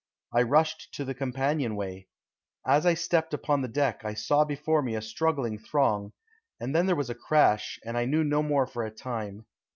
I rushed to the companion way. As I stepped upon the deck I saw before me a struggling throng, and then there was a crash, and I knew no more for a time.